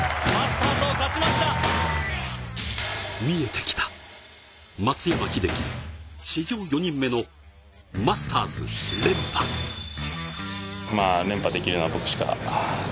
見えてきた、松山英樹史上４人目のマスターズ連覇。